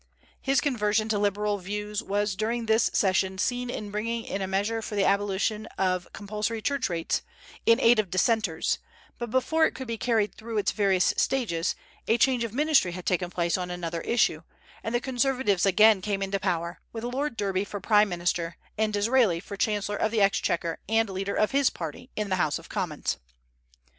His conversion to Liberal views was during this session seen in bringing in a measure for the abolition of compulsory church rates, in aid of Dissenters; but before it could be carried through its various stages a change of ministry had taken place on another issue, and the Conservatives again came into power, with Lord Derby for prime minister and Disraeli for chancellor of the exchequer and leader of his party in the House of Commons.